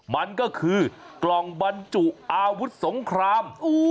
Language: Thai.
มันก็คือกล่องบรรจุอาวุธสงคราม